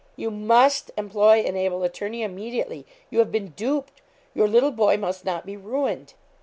'You must employ an able attorney immediately. You have been duped. Your little boy must not be ruined.'